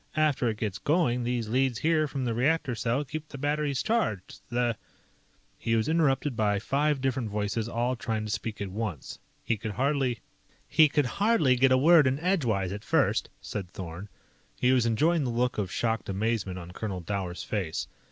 After it gets going, these leads here from the reactor cell keep the batteries charged. The " He was interrupted by five different voices all trying to speak at once. He could hardly "... He could hardly get a word in edgewise at first," said Thorn. He was enjoying the look of shocked amazement on Colonel Dower's face.